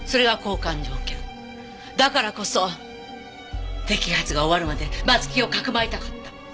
だからこそ摘発が終わるまで松木をかくまいたかった。